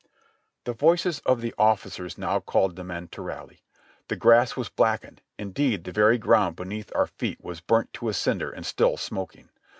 The voices of the officers now called the men to rally. The grass was blackened, indeed the very ground beneath our feet was burnt to a cinder and still smoking.